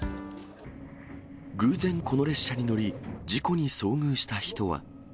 偶然、この列車に乗り事故に遭遇した人は。